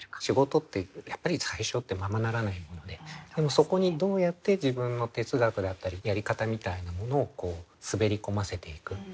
仕事ってやっぱり最初ってままならないものででもそこにどうやって自分の哲学だったりやり方みたいなものを滑り込ませていく。